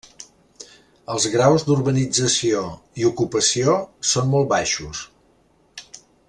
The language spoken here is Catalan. Els graus d'urbanització i ocupació són molt baixos.